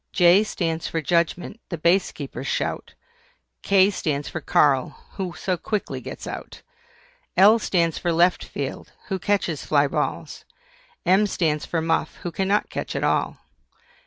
J stands for JUDGEMENT, the Base Keeper's shout. K stands for KARL, who so quickly gets out. L stands for LEFT FIELD, who catches FLY BALLS. M stands for MUFF, who cannot catch at all.